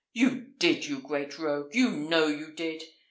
You did, you great rogue! you know you did!